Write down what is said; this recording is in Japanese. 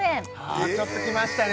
あちょっときましたね